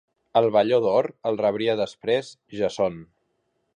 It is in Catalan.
El Velló d'or el rebria després Jason.